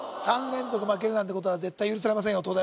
３連続負けるなんてことは絶対許されませんよ